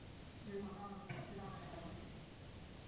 为黄道与赤道的两个交点之一。